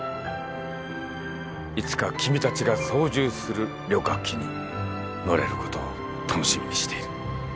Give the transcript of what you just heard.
いつか君たちが操縦する旅客機に乗れることを楽しみにしている。